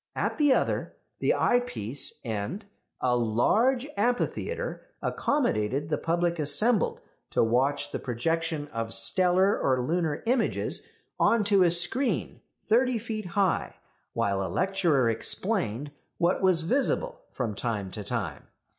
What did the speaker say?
At the other, the eyepiece, end, a large amphitheatre accommodated the public assembled to watch the projection of stellar or lunar images on to a screen thirty feet high, while a lecturer explained what was visible from time to time.